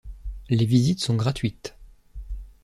Les visites sont gratuites.